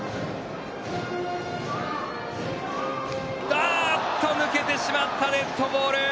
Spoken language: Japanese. あーっと、抜けてしまった、デッドボール。